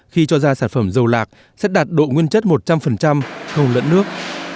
khi cho ra sản phẩm dầu lạc sẽ đạt độ nguyên chất một trăm linh hầu lẫn nước